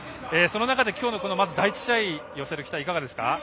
その中で、今日のまず、第１試合に寄せる期待はいかがですか？